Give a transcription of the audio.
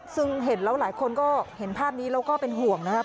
ซึ่งเห็นแล้วหลายคนก็เห็นภาพนี้แล้วก็เป็นห่วงนะครับ